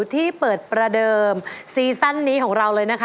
ที่เปิดประเดิมซีซั่นนี้ของเราเลยนะคะ